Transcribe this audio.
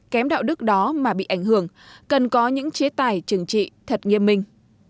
kém đạo đức đó mà bị ảnh hưởng cần có những chế tài chừng trị thật nghiêm minh